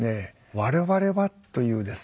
「我々は」というですね